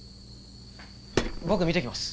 僕見てきます。